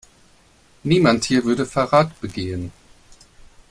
Niemand hier würde Verrat begehen.